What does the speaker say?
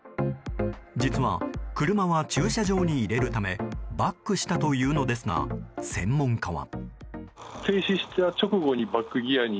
実は、車は駐車場に入れるためバックしたというのですが専門家は。